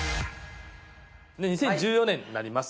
で２０１４年になります。